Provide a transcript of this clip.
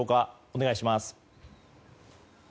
お願いします。